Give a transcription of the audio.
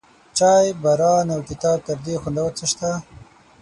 چای، باران، او کتاب، تر دې خوندور څه شته؟